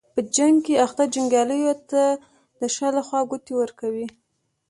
په جنګ کې اخته جنګیالیو ته د شا له خوا ګوتې ورکوي.